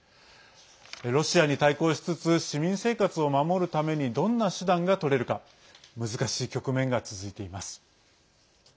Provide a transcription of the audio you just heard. ロシアに対抗しつつ市民生活を守るためにどんな手段が取れるか難しい局面が続いています。